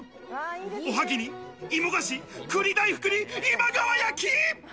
おはぎに、芋菓子、栗大福に今川焼き！